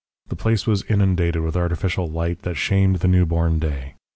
The place was inundated with artificial light that shamed the newborn day.